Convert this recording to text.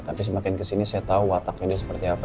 tapi semakin kesini saya tahu wataknya dia seperti apa